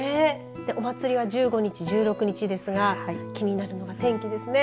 お祭りは１５日、１６日ですが気になるのは天気ですね。